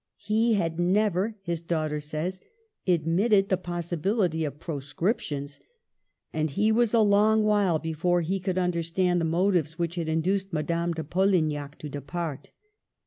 He had never, his daughter says, admitted the possi bility of proscriptions, and he was a long while before he could understand the motives which had induced Madame de Polignac to depart.